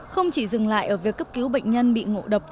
không chỉ dừng lại ở việc cấp cứu bệnh nhân bị ngộ độc